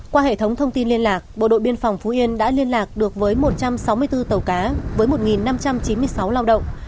qua hệ thống thông tin liên lạc bộ đội biên phòng phú yên đã liên lạc được với một trăm sáu mươi bốn tàu cá với một năm trăm chín mươi sáu lao động